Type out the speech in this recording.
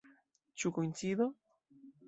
Ĉu koincido?